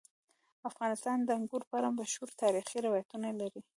افغانستان د انګورو په اړه مشهور تاریخي روایتونه لري.